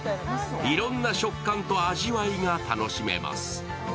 いろいろな食感と味わいが楽しめます。